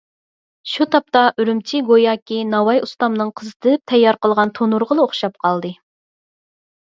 شۇ تاپتا ئۈرۈمچى گوياكى ناۋاي ئۇستامنىڭ قىزىتىپ تەييار قىلغان تونۇرىغىلا ئوخشاپ قالدى.